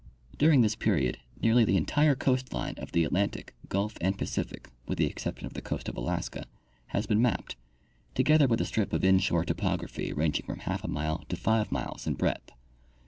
During this period nea^rly the entire coast line of the Atlantic, Gulf and Pacific, with the exception of the coast of Alaska, has been mapped, together with a strip of inshore topography ranging from half a mile to five miles in breadth.